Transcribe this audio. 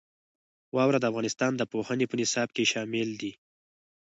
واوره د افغانستان د پوهنې په نصاب کې شامل دي.